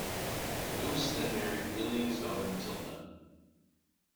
Louis then married William's daughter Matilda.